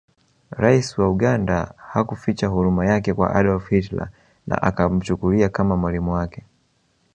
Rais wa Uganda hakuficha huruma yake kwa Adolf Hitler na akamchukulia kama mwalimu wake